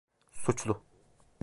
Suçlu.